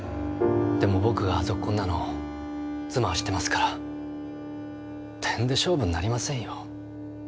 でも僕がゾッコンなの妻は知ってますからてんで勝負になりませんよ。